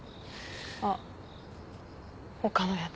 あっ他のやつ。